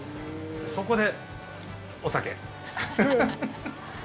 そこで、お酒。